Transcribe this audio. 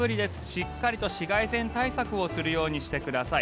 しっかりと紫外線対策するようにしてください。